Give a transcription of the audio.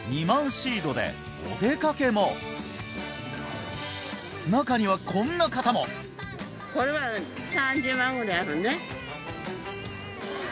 シードでお出かけも中にはこんな方もこれは３０万ぐらいあるね・